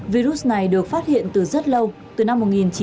virus này được phát hiện từ rất lâu từ năm một nghìn chín trăm năm mươi ba